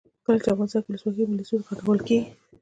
کله چې افغانستان کې ولسواکي وي ملي سرود غږول کیږي.